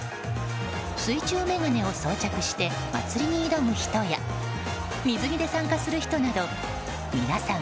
水中眼鏡を装着して祭りに挑む人や水着で参加する人など皆さん